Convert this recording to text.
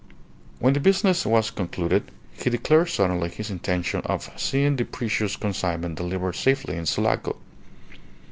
When the business was concluded he declared suddenly his intention of seeing the precious consignment delivered safely in Sulaco.